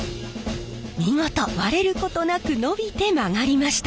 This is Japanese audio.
見事割れることなく伸びて曲がりました。